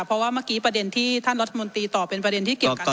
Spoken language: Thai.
เพราะว่าเมื่อกี้ประเด็นที่ท่านรัฐมนตรีตอบเป็นประเด็นที่เกี่ยวกับ